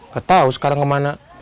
gak tau sekarang kemana